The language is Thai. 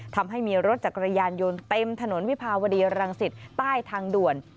ทำให้มีรถจักรยานยนต์เต็มถนนวิภาวดีรังสิตใต้ทางด่วน